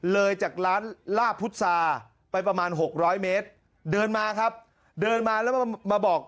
เลยจากร้านลาบพุษาไปประมาณ๖๐๐เมตรเดินมาครับเดินมาแล้วมาบอก